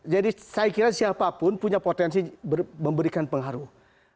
jadi saya kira siapapun punya potensi memberikan pengaruh